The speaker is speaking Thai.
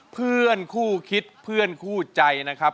เพื่อนคู่คิดเพื่อนคู่ใจนะครับ